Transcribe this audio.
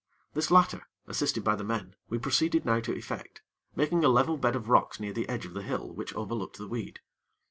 This latter, assisted by the men, we proceeded now to effect, making a level bed of rocks near the edge of the hill which overlooked the weed.